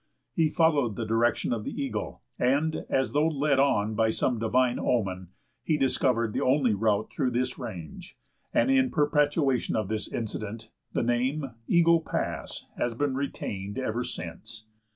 He followed the direction of the eagle, and, as though led on by some divine omen, he discovered the only route through this range, and, in perpetuation of this incident, the name Eagle Pass has been retained ever since.